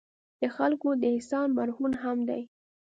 د خلکو د احسان مرهون هم دي.